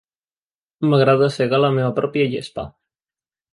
M'agrada segar la meva pròpia gespa.